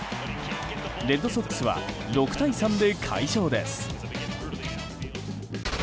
レッドソックスは６対３で快勝です。